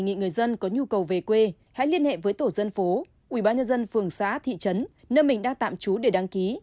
nghĩ người dân có nhu cầu về quê hãy liên hệ với tổ dân phố ubnd phường xã thị trấn nơi mình đang tạm trú để đăng ký